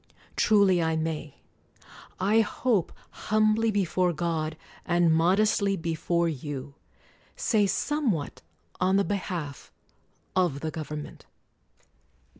Truly I may — I hope, humbly before God, and modestly before you — say somewhat on the behalf of the government.